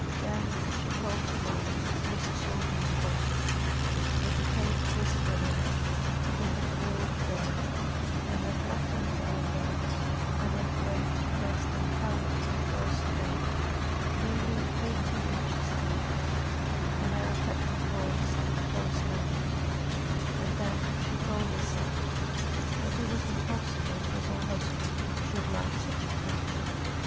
Then she called to mind Mrs. Houghton's face, with the paint visible on it in the broad day, and her blackened eyebrows, and her great crested helmet of false hair nearly eighteen inches deep, and her affected voice and false manner, and then she told herself that it was impossible that her husband should like such a creature.